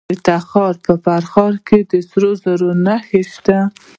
د تخار په فرخار کې د سرو زرو نښې شته.